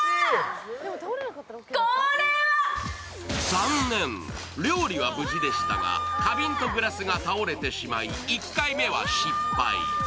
残念、料理は無事でしたが花瓶とグラスが倒れてしまい１回目は失敗。